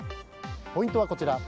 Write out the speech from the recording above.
ポイントはこちら。